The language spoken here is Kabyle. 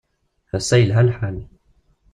Ass-a yelha lḥal.